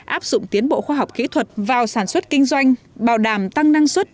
áp dụng tiến bộ khoa học kỹ thuật vào sản xuất kinh doanh bảo đảm tăng năng suất